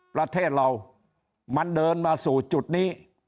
ประเทศเรามันเดินมาสู่จุดนี้